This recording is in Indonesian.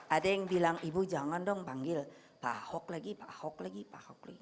ada yang bilang ibu jangan dong panggil pak ahok lagi pak ahok lagi pak hock lagi